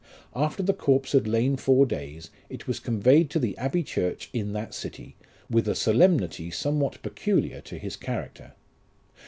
After the corpse had lain four days, it was conveyed to the Abbey church in that city, with a solemnity somewhat peculiar to his character.